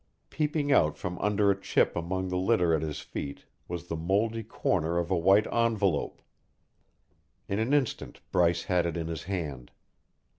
Peeping out from under a chip among the litter at his feet was the moldy corner of a white envelope. In an instant Bryce had it in his hand.